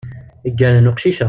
Yeggernen uqcic-a.